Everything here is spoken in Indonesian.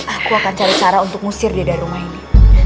aku akan cari cara untuk ngusir dia dari rumah ini